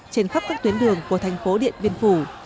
trên khắp các tuyến đường của thành phố điện biên phủ